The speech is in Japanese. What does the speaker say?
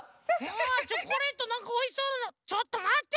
あチョコレートなんかおいしそうちょっとまって！